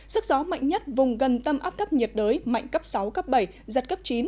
sức gió mạnh nhất vùng gần tâm áp thấp nhiệt đới mạnh cấp sáu cấp bảy giật cấp chín